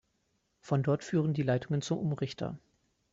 Von dort führen die Leitungen zum Umrichter.